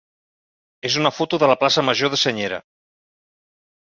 és una foto de la plaça major de Senyera.